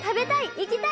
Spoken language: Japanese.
行きたい！